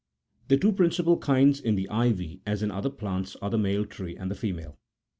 The two principal kinds in the ivy, as in other plants, are the male tree, and the female.